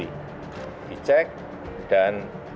dicek dan tadi pagi saya mendapatkan laporan dari mbak mbak mbak